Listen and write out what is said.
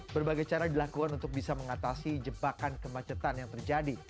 berbagai cara dilakukan untuk bisa mengatasi jebakan kemacetan yang terjadi